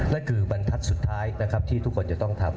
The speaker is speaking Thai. นั่นคือบันทัศน์สุดท้ายที่ทุกคนจะต้องทำ